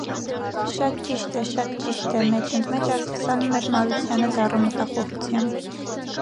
- Շատ ճիշտ է, շատ ճիշտ է,- մեջ ընդ մեջ արտասանում էր Մարությանը դառն մտախոհությամբ: